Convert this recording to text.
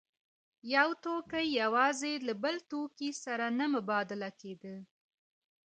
یو توکی یوازې له یو بل توکي سره نه مبادله کېده